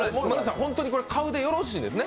本当に、これ買うでよろしいんですね？